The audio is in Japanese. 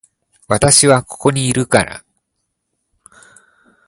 私はここにいるから